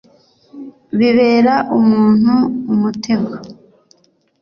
bibera umuntu umutego,